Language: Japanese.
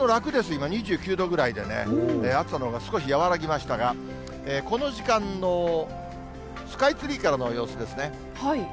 今、２９度ぐらいでね、暑さのほうが少し和らぎましたが、この時間のスカイツリーからの様子ですね。